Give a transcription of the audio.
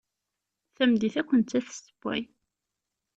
Tameddit akk nettat tessewway.